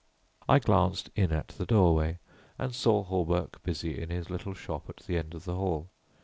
I glanced in at the doorway and saw Hawberk busy in his little shop at the end of the hall.